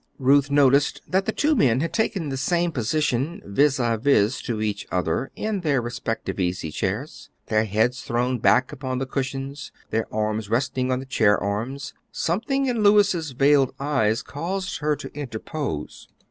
Ruth noticed that the two men had taken the same position, vis vis to each other in their respective easy chairs, their heads thrown back upon the cushions, their arms resting on the chair arms. Something in Louis's veiled eyes caused her to interpose.